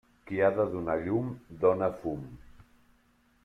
Qui ha de donar llum, dóna fum.